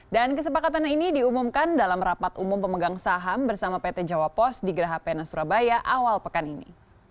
dan kesepakatan ini diumumkan dalam rapat umum pemegang saham bersama pt jawa post di gerah pena surabaya awal pekan ini